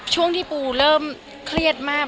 ช่วงที่ปูเริ่มเครียดมาก